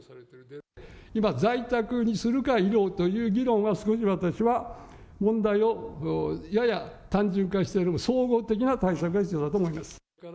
今、在宅にするか、医療という議論は、すごい私は、問題をやや単純化している、総合的な対策が必要だと思います。